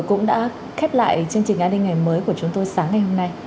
cũng đã khép lại chương trình an ninh ngày mới của chúng tôi sáng ngày hôm nay